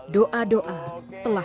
doa doa telah dikumpulkan